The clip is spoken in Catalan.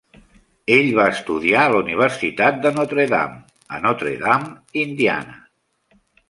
Ell va estudiar a la universitat de Notre Dame, a Notre Dame (Indiana).